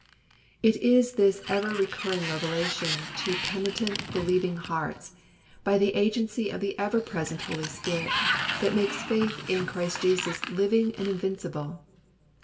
It is this ever recurring revelation to penitent, believing hearts, by the agency of the ever present Holy Spirit, that makes faith in Jesus Christ living and invincible.